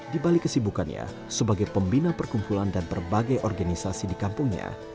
di balik kesibukannya sebagai pembina perkumpulan dan berbagai organisasi di kampungnya